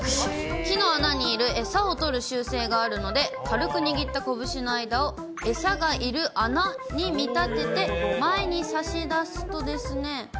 木の穴にいる餌を取る習性があるので、軽く握った拳の間を餌がいる穴に見立てて、前に差し出すと。